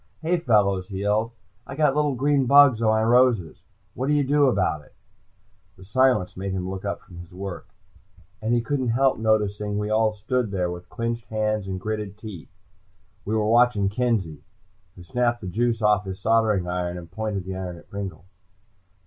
"Hey, fellows," he yelled. "I got little green bugs on my roses. What do you do about it?" The silence made him look up from his work, and he couldn't help noticing we all stood there with clinched hands and gritted teeth. We were watching Kenzie, who snapped the juice off his soldering iron and pointed the iron at Pringle.